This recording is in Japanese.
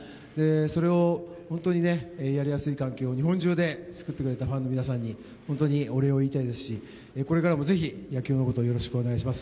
それを本当にやりやすい環境を日本中で作ってくれたファンの皆様に本当にお礼を言いたいですしこれからもぜひ、野球のことをよろしくお願いします。